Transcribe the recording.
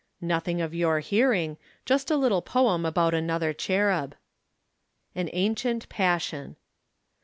"Nothing of your hearing. Just a little poem about another Cherub." AN ANCIENT PASSION.